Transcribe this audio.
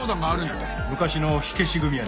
昔の火消し組やな。